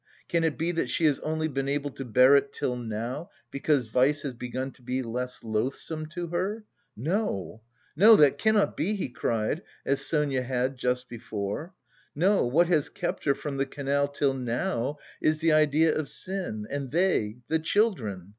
Can it be that she has only been able to bear it till now, because vice has begun to be less loathsome to her? No, no, that cannot be!" he cried, as Sonia had just before. "No, what has kept her from the canal till now is the idea of sin and they, the children....